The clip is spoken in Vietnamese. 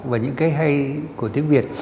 và những cái hay của tiếng việt